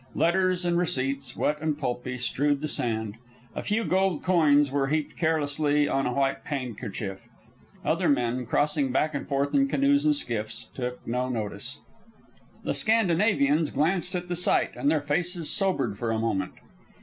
Letters and receipts, wet and pulpy, strewed the sand. A few gold coins were heaped carelessly on a white handkerchief. Other men, crossing back and forth in canoes and skiffs, took no notice. The Scandinavians glanced at the sight, and their faces sobered for a moment.